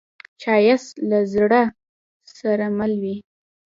ښایست له زړه سره مل وي